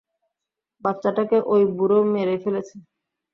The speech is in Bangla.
বাচ্চাটাকে ঐ বুড়ো মেরে ফেলেছে।